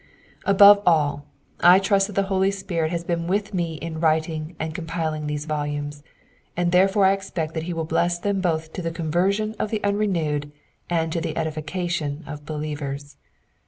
Above all, I trust that the Holy Spirit has been with me in writing and compiling these volumes, and therefore I expect that he will bless them both to the conversion of the unrenewed and to the edification of believers.